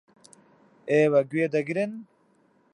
ئێوە گوێ دەگرن.